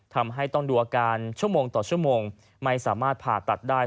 ทำให้ต้องดูอาการชั่วโมงต่อชั่วโมงไม่สามารถผ่าตัดได้